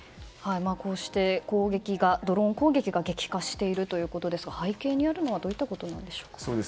こうしてドローン攻撃が激化しているということで背景にあるのはどういったことなんでしょうか。